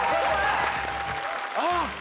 あっ！